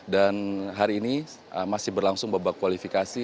hari ini masih berlangsung babak kualifikasi